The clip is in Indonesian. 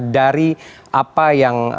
dari apa yang